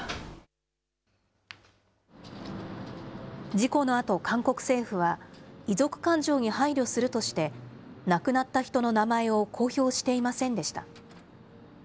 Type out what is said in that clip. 事故のあと、韓国政府は遺族感情に配慮するとして、亡くなった人の名前を公表していませんでした。